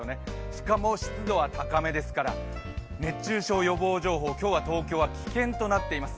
しかも湿度は高めですから熱中症予防情報、今日は東京は危険となっています。